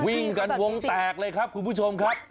วิ่งกันวงแตกเลยครับคุณผู้ชมครับ